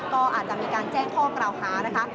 ก็อาจจะมีการแจ้งข้อกล่าวหานะคะ